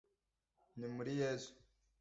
Ni muri Yesu